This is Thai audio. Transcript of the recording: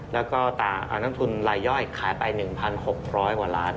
และก็ต่างตานักทุนไล่ย่อยที่ขายไป๑๖๐๐ล้าน